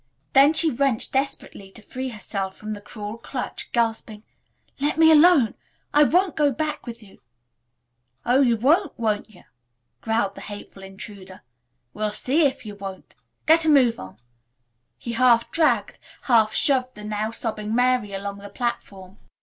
Then she wrenched desperately to free herself from the cruel clutch, gasping, "Let me alone. I won't go back with you." "Oh, ye won't, won't ye," growled the hateful intruder. "We'll see if ye won't. Get a move on." He half dragged, half shoved the now sobbing Mary along the platform.